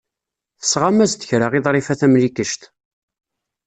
Tesɣam-as-d kra i Ḍrifa Tamlikect.